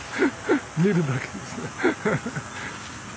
見るだけですね。